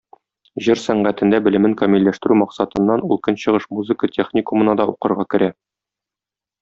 Җыр сәнгатендә белемен камилләштерү максатыннан ул Көнчыгыш музыка техникумына да укырга керә.